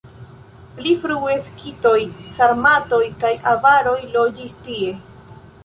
Pli frue skitoj, sarmatoj kaj avaroj loĝis tie.